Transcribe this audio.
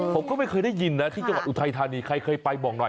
ผมก็ไม่เคยได้ยินนะที่จังหวัดอุทัยธานีใครเคยไปบอกหน่อย